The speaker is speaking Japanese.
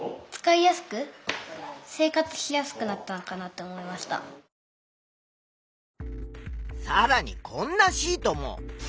電気はさらにこんなシートも。